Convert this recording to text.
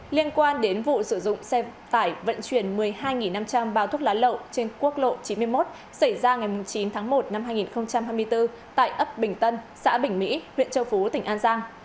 liên quan đến vụ sử dụng xe tải vận chuyển một mươi hai năm trăm linh bao thuốc lá lậu trên quốc lộ chín mươi một xảy ra ngày chín tháng một năm hai nghìn hai mươi bốn tại ấp bình tân xã bình mỹ huyện châu phú tỉnh an giang